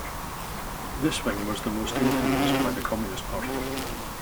This wing was the most influenced by the Communist Party.